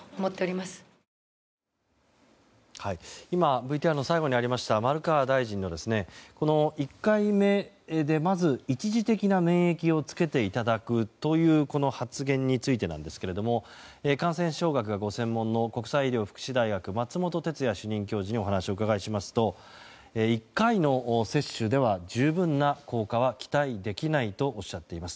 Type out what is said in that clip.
ＶＴＲの最後にありました丸川大臣の、１回目でまず一時的な免疫をつけていただくというこの発言についてですが感染症学がご専門の国際医療福祉大学松本哲哉主任教授にお話を伺いますと１回の接種では十分な効果は期待できないとおっしゃっています。